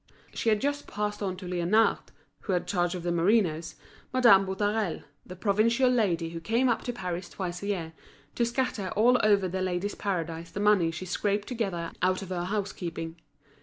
She had just passed on to Liénard, who had charge of the merinoes, Madame Boutarel, that provincial lady who came up to Paris twice a year, to scatter all over The Ladies' Paradise the money she scraped together out of her house keeping.